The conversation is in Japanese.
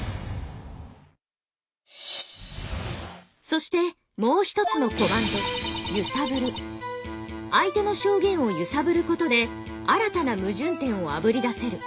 そしてもう１つのコマンド相手の証言をゆさぶることで新たな矛盾点をあぶり出せる。